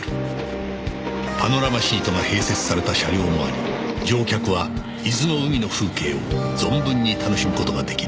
パノラマシートが併設された車両もあり乗客は伊豆の海の風景を存分に楽しむ事が出来る